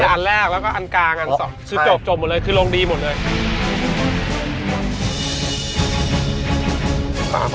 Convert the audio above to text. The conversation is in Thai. อันแรกแล้วก็อันกลางอันสองคือจบหมดเลยคือลงดีหมดเลย